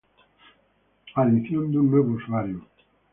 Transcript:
adición de un nuevo usuario